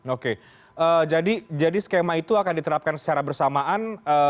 oke jadi skema itu akan diterapkan secara bersamaan